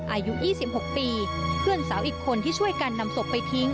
อายุ๒๖ปีเพื่อนสาวอีกคนที่ช่วยกันนำศพไปทิ้ง